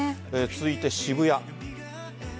続いて渋谷。